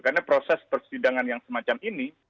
karena proses persidangan yang semacam ini